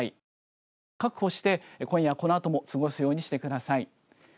身の安全を確保して今夜このあとも過ごすようにしてください。